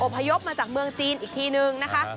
พยพมาจากเมืองจีนอีกทีนึงนะคะ